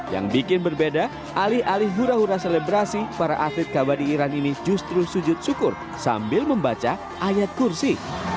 yang bikin berbeda alih alih hura hura selebrasi para atlet kabadi iran ini justru sujud syukur sambil membaca ayat kursi